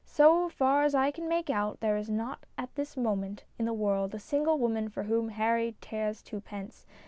So far as I can make out, there is not at this moment in the world a single woman for whom Harry cares twopence.